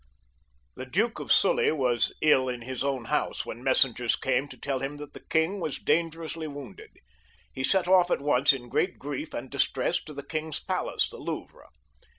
The Duke of Sully was ill in his own house when mes sengers came to tell him that the king was dangerously wounded. He set off at once in great grief and distress to go to the king's palace, the Louvre.